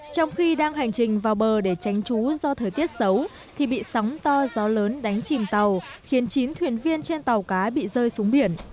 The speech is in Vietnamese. trong khi đang hành trình vào bờ để tránh trú do thời tiết xấu thì bị sóng to gió lớn đánh chìm tàu khiến chín thuyền viên trên tàu cá bị rơi xuống biển